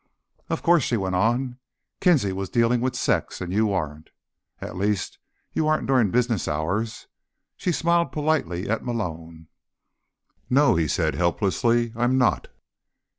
"Of course," she went on, "Kinsey was dealing with sex, and you aren't. At least, you aren't during business hours." She smiled politely at Malone. "No," he said helplessly, "I'm not."